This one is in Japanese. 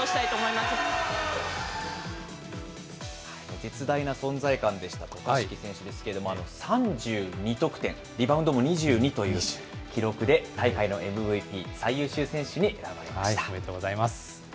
絶大な存在感でした、渡嘉敷選手ですけれども、３２得点、リバウンドも２２という記録で大会のＭＶＰ・最優秀選手に選ばれおめでとうございます。